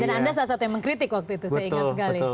dan anda salah satu yang mengkritik waktu itu saya ingat sekali